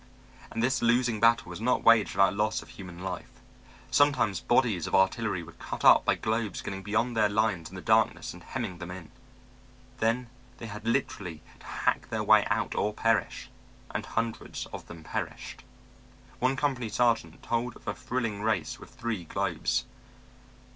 And this losing battle was not waged without loss of human life. Sometimes bodies of artillery were cut off by globes getting beyond their lines in the darkness and hemming them in. Then they had literally to hack their way out or perish; and hundreds of them perished. One company sergeant told of a thrilling race with three globes.